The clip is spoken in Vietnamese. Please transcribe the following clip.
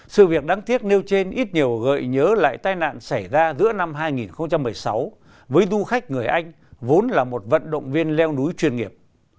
sự việc đáng tiếc nêu trên ít nhiều gợi nhớ lại tai nạn xảy ra giữa năm hai nghìn một mươi sáu với du khách người anh vốn là một vận động viên leo núi chuyên nghiệp